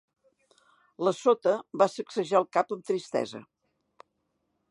La Sota va sacsejar el cap amb tristesa.